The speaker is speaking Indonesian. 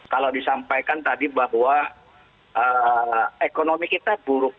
kalau disampaikan tadi bahwa ekonomi kita buruk